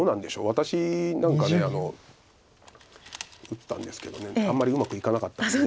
私なんか打ったんですけどあんまりうまくいかなかったんです。